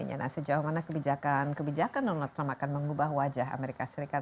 nah sejauh mana kebijakan kebijakan donald trump akan mengubah wajah amerika serikat